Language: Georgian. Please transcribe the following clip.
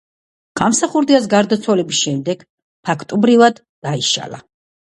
გამსახურდიას გარდაცვალების შემდეგ, ფაქტობრივად, დაიშალა.